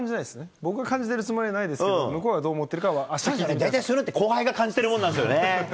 僕は感じてるつもりないですけど、向こうがどう思ってるか、あした大体それって、後輩が感じてるものなんですよね。